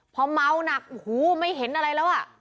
เพราะเมาหนักไม่เห็นอะไรแล้ว